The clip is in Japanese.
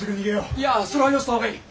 いやそれはよした方がいい！